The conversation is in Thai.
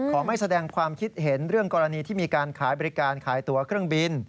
ไม่แสดงความคิดเห็นเรื่องกรณีที่มีการขายบริการขายตัวเครื่องบิน